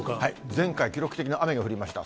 前回、記録的な雨が降りました。